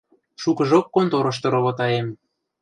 Шукыжок конторышты ровотаем.